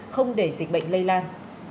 không để dịch bệnh lây lan